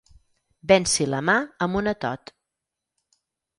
Venci la mà amb un atot.